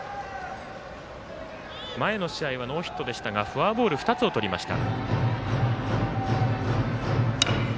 前の試合はノーヒットでしたがフォアボール２つをとりました。